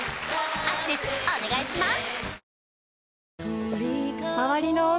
アクセスお願いします！